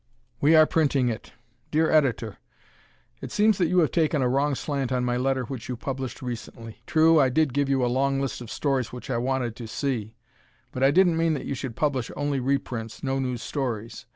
We Are Printing It! Dear Editor: It seems that you have taken a wrong slant on my letter which you published recently. True, I did give you a long list of stories which I wanted to see, but I didn't mean that you should publish only reprints, no new stories.